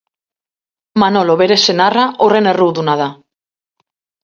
Manolo bere senarra horren erruduna da.